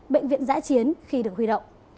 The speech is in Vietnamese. bệnh viện giã chiến khi được huy động